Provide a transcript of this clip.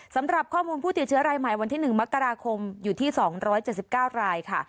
สำหรับข้อมูลผู้ติดเชื้อรายใหม่วันที่๑มกราคมอยู่ที่๒๗๙รายค่ะ